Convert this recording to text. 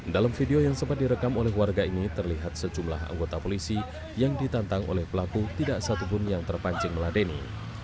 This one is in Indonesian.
dalam video yang sempat direkam oleh warga ini terlihat sejumlah anggota polisi yang ditantang oleh pelaku tidak satupun yang terpancing meladeni